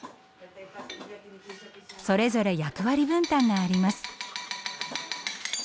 それぞれ役割分担があります。